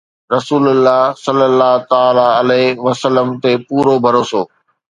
رسول الله صَلَّى اللهُ تَعَالٰى عَلَيْهِ وَسَلَّمَ تي پورو ڀروسو